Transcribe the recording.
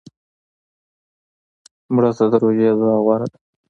مړه ته د روژې دعا غوره ده